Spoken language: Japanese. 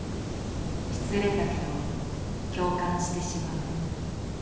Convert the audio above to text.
失礼だけど共感してしまう」。